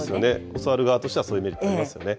教わる側としてはそういうメリットありますよね。